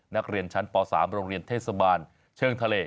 นักเรียนชั้นป๓โรงเรียนเทศบาลเชิงทะเล